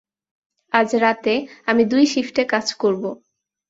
আজ রাতে আমি দুই শিফটে কাজ করব।